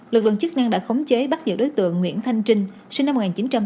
lực lượng chức năng đã khống chế bắt giữ đối tượng nguyễn thanh trinh sinh năm một nghìn chín trăm tám mươi